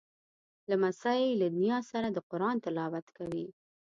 لمسی له نیا سره د قرآن تلاوت کوي.